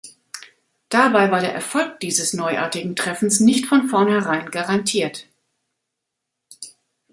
Dabei war der Erfolg dieses neuartigen Treffens nicht von vornherein garantiert.